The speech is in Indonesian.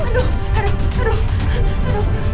aduh aduh aduh